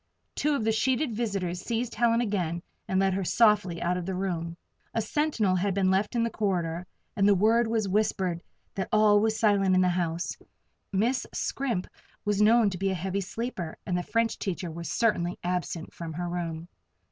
Two of the sheeted visitors seized Helen again and led her softly out of the room. A sentinel had been left in the corridor, and the word was whispered that all was silent in the house; Miss Scrimp was known to be a heavy sleeper, and the French teacher was certainly absent from her room.